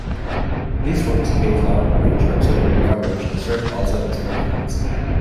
These forts gave long-range artillery coverage and served also as look-outs.